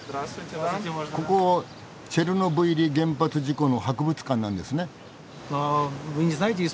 ここチェルノブイリ原発事故の博物館なんですね？